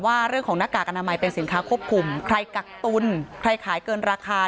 ว่าเรื่องของหน้ากากอนามัยเป็นสินค้าควบคุมใครกักตุลใครขายเกินราคา